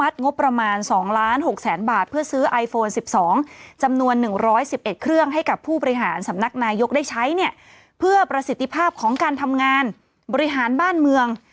สิบเอ็ดเครื่องให้กับผู้บริหารสำนักนายกได้ใช้เนี้ยเพื่อประสิทธิภาพของการทำงานบริหารบ้านเมือง